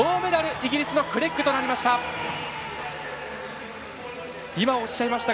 イギリスのクレッグとなりました。